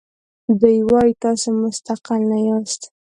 دوی وایي تاسو مستقل نه یاست.